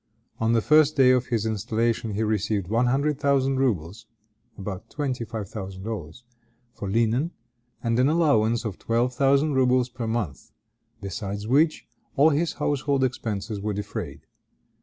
On the first day of his installation he received one hundred thousand rubles (about twenty five thousand dollars) for linen, and an allowance of twelve thousand rubles per month; besides which, all his household expenses were defrayed.